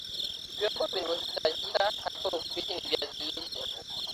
Vyombo vinavyohitajika katika upishi wa viazi lishe